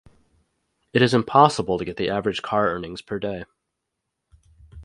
It is impossible to get the average car earnings per day.